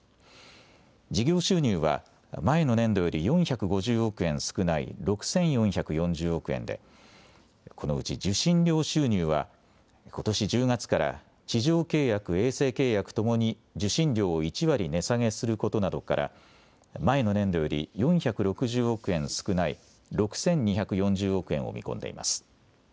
事業収入は前の年度より４５０億円少ない６４４０億円でこのうち受信料収入はことし１０月から地上契約・衛星契約ともに受信料を１割値下げすることなどから前の年度より４６０億円少ない６２４０億円を見込んでいます。